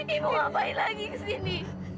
ibu ngapain lagi kesini